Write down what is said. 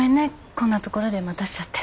こんな所で待たせちゃって。